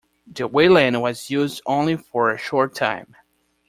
The Welland was used only for a short time.